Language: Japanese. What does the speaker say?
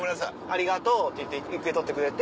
「ありがとう」って言って受け取ってくれて。